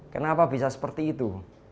kenapa bisa seperti itu